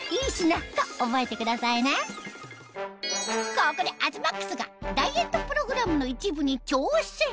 ここで東ＭＡＸがダイエットプログラムの一部に挑戦